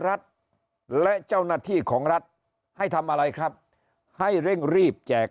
รัฐและเจ้าหน้าที่ของรัฐให้ทำอะไรครับให้เร่งรีบแจก